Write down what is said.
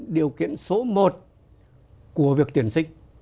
điều kiện số một của việc tuyển sinh